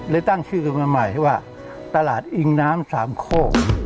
เลยตั้งชื่อกลุ่มใหม่ว่าตลาดอิงน้ำ๓โค่